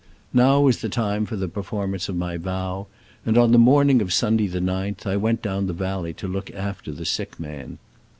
Now was the time for the performance of my vow, and on the morning of Sunday, the 9th, I went down the valley to look after the sick man.